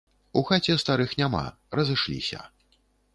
У хаце старых няма, разышліся.